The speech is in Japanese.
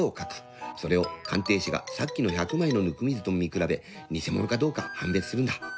それを鑑定士がさっきの１００枚のヌクミズと見比べニセ物かどうか判別するんだ。